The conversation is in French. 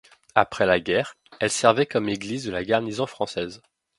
Après la guerre, elle servait comme église de la garnison française.